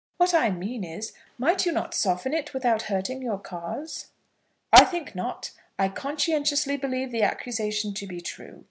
"What I mean is, might you not soften it without hurting your cause?" "I think not. I conscientiously believe the accusation to be true.